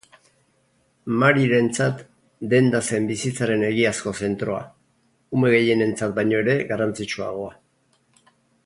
Maryrentzat, denda zen bizitzaren egiazko zentroa, ume gehienentzat baino ere garrantzitsuagoa.